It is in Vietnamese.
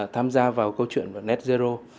tham gia vào câu chuyện của net zero